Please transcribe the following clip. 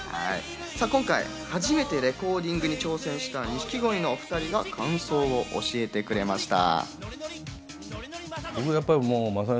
今回初めてレコーディングに挑戦した錦鯉のお２人が感想を教えてくれました。